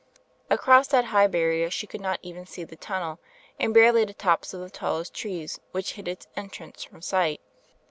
Across that high barrier she could not even see the tunnel, and barely the tops of the tallest trees which hid its entrance from sight.